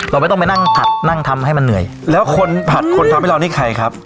เราไม่ต้องไปนั่งผัดนั่งทำให้มันเหนื่อยแล้วคนผัดคนทำให้เรานี่ใครครับ